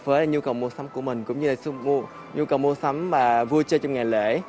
với nhu cầu mua sắm của mình cũng như là nhu cầu mua sắm mà vui chơi trong ngày lễ